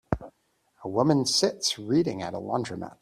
A woman sits reading at a laundromat